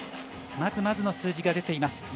まずまずの数字が出ています。